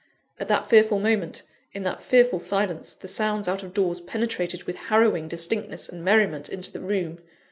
At that fearful moment, in that fearful silence, the sounds out of doors penetrated with harrowing distinctness and merriment into the room.